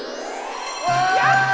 やった！